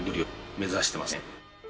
目指してますね。